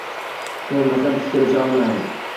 Bo`lmasa biz kelisha olmaymiz